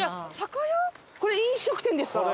これ飲食店ですか？